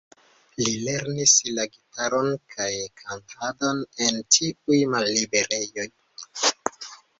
Li lernis la gitaron kaj kantadon en tiuj malliberejoj.